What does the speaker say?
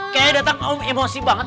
kayaknya datang emosi banget